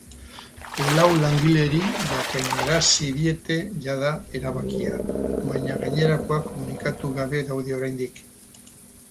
Lau langileri jakinarazi diete jada erabakia, baina gainerakoak komunikatu gabe daude oraindik.